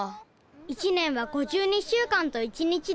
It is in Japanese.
１年は５２週間と１日だ。